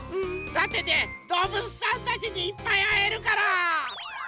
どうぶつさんたちにいっぱいあえるから！